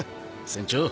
船長。